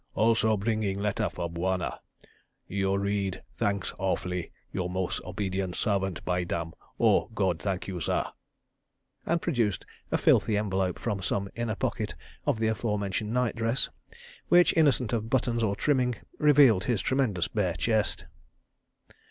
Also bringing letter for Bwana. ... You read, thanks awfully, your mos' obedient servant by damn, oh, God, thank you, sah," and produced a filthy envelope from some inner pocket of the aforementioned night dress, which, innocent of buttons or trimming, revealed his tremendous bare chest.